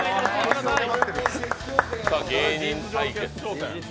芸人対決。